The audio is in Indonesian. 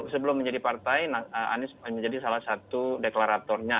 sebelum menjadi partai anies menjadi salah satu deklaratornya